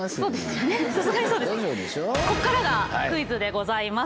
ここからがクイズでございます。